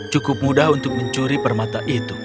cukup mudah untuk mencuri permata itu